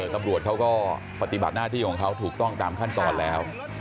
ตำรวจเขาก็ปฏิบัติหน้าที่ของเขาถูกต้องตามขั้นตอนแล้ว